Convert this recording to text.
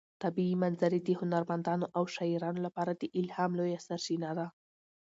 طبیعي منظرې د هنرمندانو او شاعرانو لپاره د الهام لویه سرچینه ده.